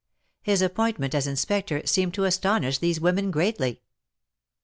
His appointment as Inspector seemed to astonish these women greatly.